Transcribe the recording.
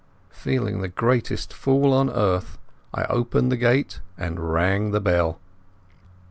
Feeling the greatest fool on earth, I opened the gate and rang the bell.